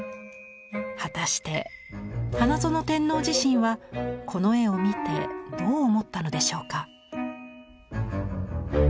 果たして花園天皇自身はこの絵を見てどう思ったのでしょうか。